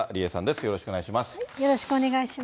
よろしくお願いします。